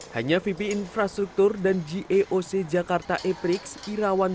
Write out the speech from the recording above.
hanya vp infrastruktur dan gaoc jakarta eprix irawan